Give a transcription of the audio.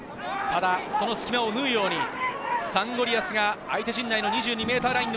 その隙間を縫うようにサンゴリアスが相手陣内の２２ｍライン。